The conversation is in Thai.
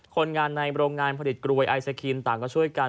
คนงานในโรงงานผลิตกรวยไอศครีมต่างก็ช่วยกัน